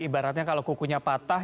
ibaratnya kalau kukunya patah